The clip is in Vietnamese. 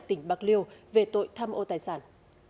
tỉnh bạc liêu về tội tham ô tài sản